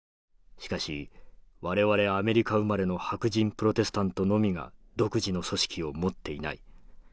しかし我々アメリカ生まれの白人プロテスタントのみが独自の組織を持っていない。